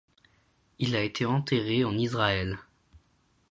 Il a été enterré en Israël.